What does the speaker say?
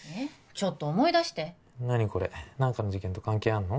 ちょっと思い出して何これ何かの事件と関係あんの？